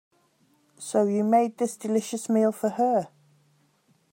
So, you made this delicious meal for her?